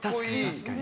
確かに。